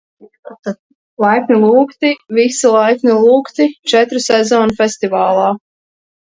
Laipni lūgti, visi laipni lūgti, Četru Sezonu Festivālā!